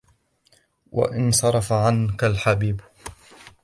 وَانْصَرَفَ عَنْك الْحَبِيبُ